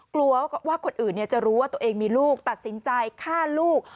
กลัวว่าคนอื่นจะรู้ว่าตัวเองมีลูกตัดสินใจฆ่าลูก